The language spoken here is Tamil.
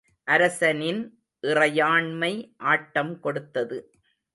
அரசனின் இறையாண்மை ஆட்டம் கொடுத்தது.